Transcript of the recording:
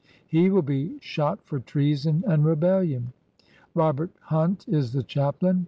He will be shot for treason and rebellion. Robert Hunt is the chaplain.